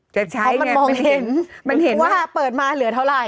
เพราะมันมองเห็นมันเห็นว่าเปิดมาเหลือเท่าไหร่